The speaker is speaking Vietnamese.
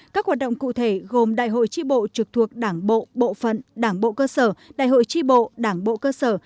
các hoạt động cụ thể gồm đại hội tri bộ trực thuộc đảng bộ bộ phận đảng bộ cơ sở đại hội tri bộ đảng bộ cơ sở